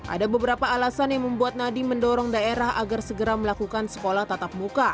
ada beberapa alasan yang membuat nadiem mendorong daerah agar segera melakukan sekolah tatap muka